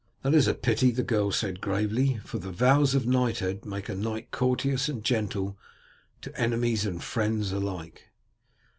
"That is a pity," the girl said gravely, "for the vows of knighthood make a knight courteous and gentle to enemies and friends alike."